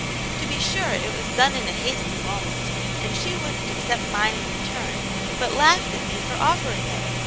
" To be sure it was done in a hasty moment, and she wouldn't accept mine in return, but laughed at me for offering it.